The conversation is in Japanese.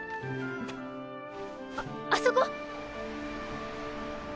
ああそこ！？